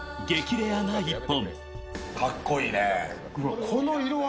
レアな１本。